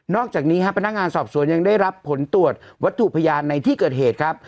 อกจากนี้ครับพนักงานสอบสวนยังได้รับผลตรวจวัตถุพยานในที่เกิดเหตุครับ